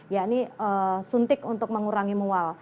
yakni suntik untuk mengurangi mual